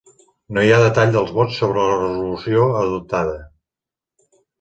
No hi ha detall dels vots sobre la resolució adoptada.